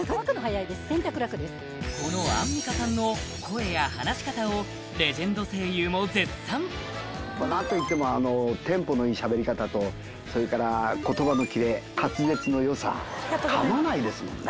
このアンミカさんの声や話し方をレジェンド声優も絶賛何と言ってもあのテンポのいい喋り方とそれから言葉のキレ滑舌のよさ噛まないですもんね